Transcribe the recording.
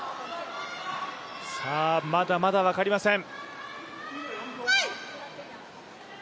まだまだ分かりません。